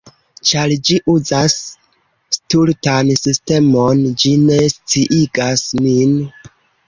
Ĉar ĝi uzas stultan sistemon... ĝi ne sciigas min